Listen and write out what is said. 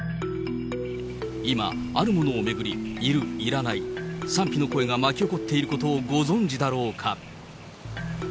今、あるものを巡り、いる、いらない、賛否の声が巻き起こっていることをご存じだろうか。